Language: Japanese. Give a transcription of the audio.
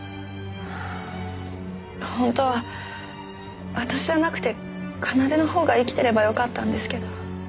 本当は私じゃなくて奏のほうが生きてればよかったんですけど。